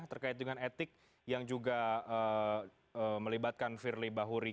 terkait dengan etik yang juga melibatkan firly bahuri